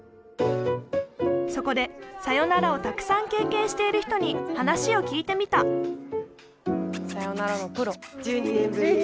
そこでさよならをたくさん経験している人に話を聞いてみたさよならのプロ。